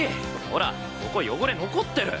ほらここ汚れ残ってる。